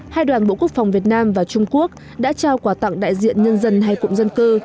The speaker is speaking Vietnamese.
hai đoàn bộ quốc phòng việt nam và trung quốc đã trao quà tặng đại diện nhân dân hai cụm dân cư